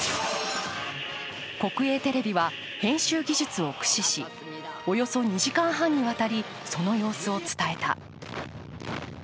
国営テレビは、編集技術を駆使しおよそ２時間半にわたりその様子を伝えた。